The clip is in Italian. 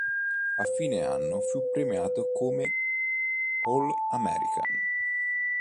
A fine anno fu premiato come All-American.